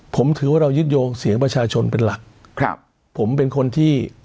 ผมถือว่าเรายึดโยงเสียงประชาชนเป็นหลักครับผมเป็นคนที่